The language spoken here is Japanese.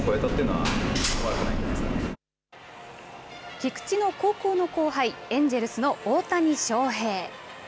菊池の高校の後輩エンジェルスの大谷翔平。